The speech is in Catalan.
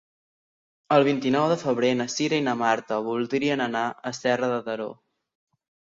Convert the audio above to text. El vint-i-nou de febrer na Cira i na Marta voldrien anar a Serra de Daró.